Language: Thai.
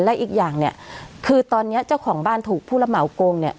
และอีกอย่างเนี่ยคือตอนนี้เจ้าของบ้านถูกผู้ระเหมาโกงเนี่ย